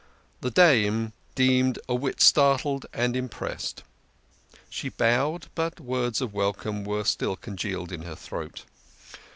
The dame seemed a whit startled and impressed. She bowed, but words of welcome were still congealed in her throat.